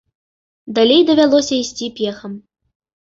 Далей давялося ісці пехам.